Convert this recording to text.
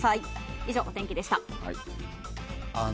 以上、お天気でした。